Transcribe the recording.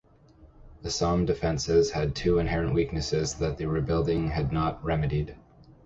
The Somme defences had two inherent weaknesses that the rebuilding had not remedied.